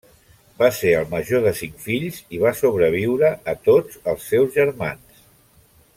Va ser el major de cinc fills i va sobreviure a tots els seus germans.